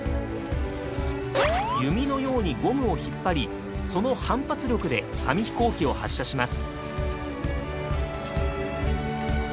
弓のようにゴムを引っ張りその反発力で紙飛行機を発射します。